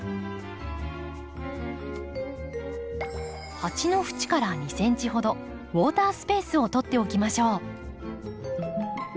鉢の縁から２ｃｍほどウォータースペースをとっておきましょう。